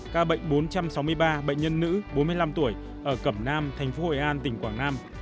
ca bệnh bốn trăm sáu mươi ba bệnh nhân nữ bốn mươi năm tuổi ở cẩm nam thành phố hội an tỉnh quảng nam